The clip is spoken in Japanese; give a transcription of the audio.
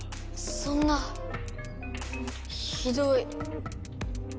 そんなひどい。